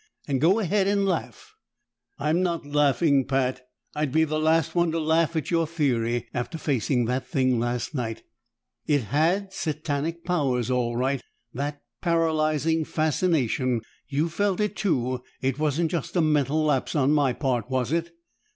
And go ahead and laugh!" "I'm not laughing, Pat. I'd be the last one to laugh at your theory, after facing that thing last night. It had satanic powers, all right that paralyzing fascination! You felt it too; it wasn't just a mental lapse on my part, was it?"